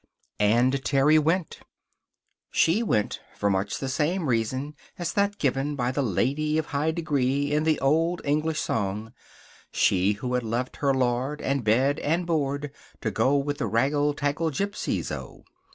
And Terry went. She went for much the same reason as that given by the ladye of high degree in the old English song she who had left her lord and bed and board to go with the raggle taggle gipsies O!